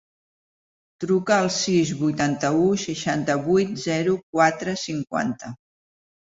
Truca al sis, vuitanta-u, seixanta-vuit, zero, quatre, cinquanta.